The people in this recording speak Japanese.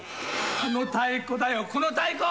この太鼓だよこの太鼓。